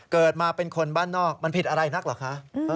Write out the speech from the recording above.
เกิดมาเป็นคนบ้านนอกมันผิดอะไรนักเหรอคะ